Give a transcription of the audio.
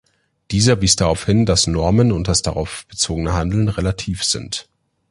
Dieser wies darauf hin, dass Normen und das darauf bezogene Handeln relativ sind.